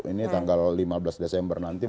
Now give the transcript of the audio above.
ini tanggal lima belas desember nanti